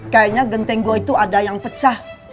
kayaknya genteng gua itu ada yang pecah